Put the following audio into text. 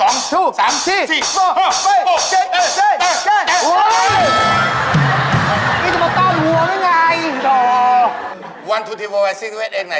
นี่จะมาตั้งหัวไหมไง